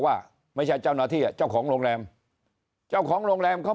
ว่าไม่ใช่เจ้าหน้าที่อ่ะเจ้าของโรงแรมเจ้าของโรงแรมเขา